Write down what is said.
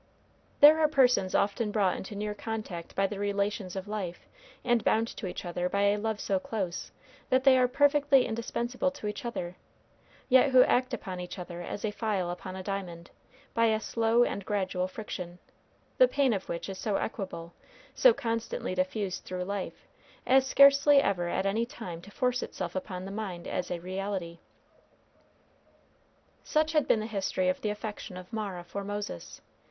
There are persons often brought into near contact by the relations of life, and bound to each other by a love so close, that they are perfectly indispensable to each other, who yet act upon each other as a file upon a diamond, by a slow and gradual friction, the pain of which is so equable, so constantly diffused through life, as scarcely ever at any time to force itself upon the mind as a reality. Such had been the history of the affection of Mara for Moses.